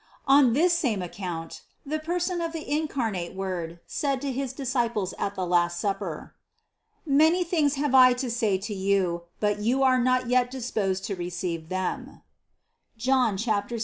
34 CITY OF GOD On this same account the person of the incarnate Word said to his disciples at the last supper: "Many things have I to say to you ; but you are not yet disposed to re ceive them" (John 6, 12).